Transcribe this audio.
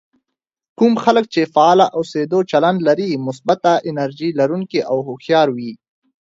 کوم خلک چې فعال اوسېدو چلند لري مثبت، انرژي لرونکي او هوښيار وي.